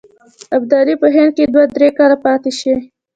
ابدالي په هند کې دوه درې کاله پاته شي.